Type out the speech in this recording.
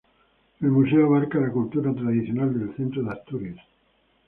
El museo abarca la cultura tradicional del centro de Asturias.